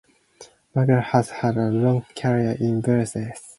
McCoury has had a long career in bluegrass.